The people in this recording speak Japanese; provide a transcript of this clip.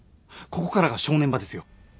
ここからが正念場ですよ。